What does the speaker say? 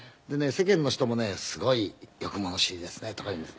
世間の人もねすごい「よく物知りですね」とか言うんです。